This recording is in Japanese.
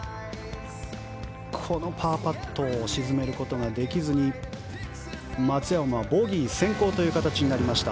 このパーパットを沈めることができずに松山はボギー先行という形になりました。